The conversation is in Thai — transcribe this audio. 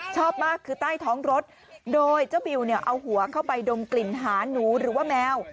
ชอบมากคือใต้ท้องรถโดยเจ้าบิวเนี่ยเอาหัวเข้าไปดมกลิ่นหาหนูหรือว่าแมว